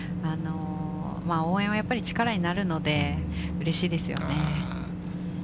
応援はやっぱり力になるので、うれしいですよね。